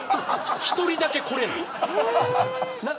１人だけこれなんです。